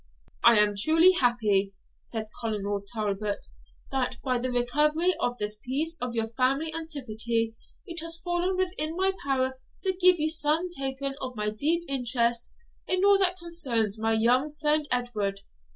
"I am truly happy," said Colonel Talbot, "that, by the recovery of this piece of family antiquity, it has fallen within my power to give you some token of my deep interest in all that concerns my young friend Edward.